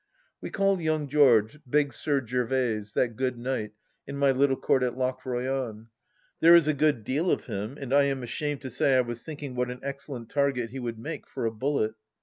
We call young George " Big Sir Gervaise, that good knight," in my little court at Lochroyan. There is a good deal of him, and I am ashamed to say I was thinking what an excellent target he would make for a bullet.